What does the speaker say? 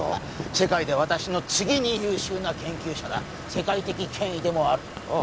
世界で私の次に優秀な研究者だ世界的権威でもあるああ